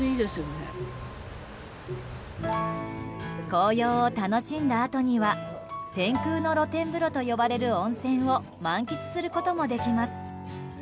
紅葉を楽しんだあとには天空の露天風呂と呼ばれる温泉を満喫することもできます。